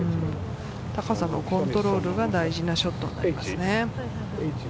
高さのコントロールが大事なショットなわけですね。